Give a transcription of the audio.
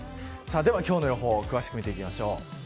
では今日の予報詳しく見ていきましょう。